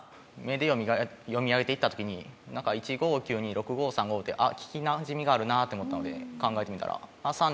目で読み上げて行った時に「１５９２６５３５」って「あっ聞きなじみがあるな」って思ったので考えてみたら。